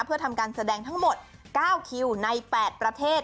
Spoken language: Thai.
เพื่อทำการแสดงทั้งหมด๙คิวใน๘ประเทศ